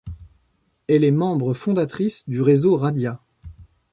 Elle est membre fondatrice du réseau Radia.